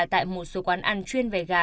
tại một số quán ăn chuyên về gà